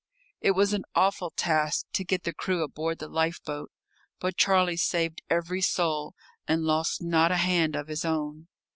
It was an awful task to get the crew aboard the lifeboat, but Charlie saved every soul, and lost not a hand of his own.